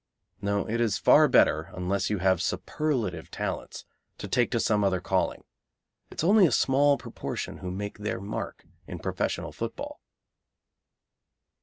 No, it is far better, unless you have superlative talents, to take to some other calling. It is only a small proportion who make their mark in professional football.